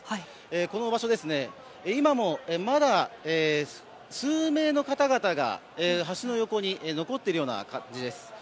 この場所、今もまだ数名の方々が橋の横に残っている感じです。